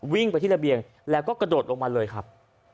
วิ่งไปที่ระเบียงแล้วก็กระโดดลงมาเลยครับ